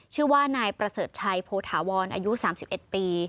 ชื่อว่านายประเสริฐชัยโพธาวรอายุ๓๑ปี